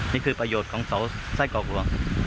นี่คือประโยชน์ของเสาไส้กรอกหลวง